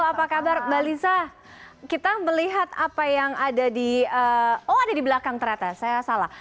apa kabar mbak lisa kita melihat apa yang ada di oh ada di belakang ternyata saya salah